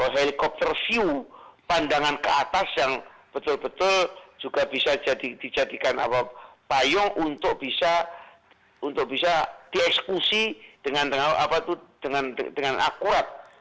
helikopter view pandangan ke atas yang betul betul juga bisa jadi dijadikan apa bayung untuk bisa untuk bisa dieksekusi dengan dengan apa itu dengan dengan akurat